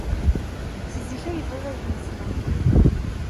Seg zik ay bɣiɣ ad kem-ssneɣ.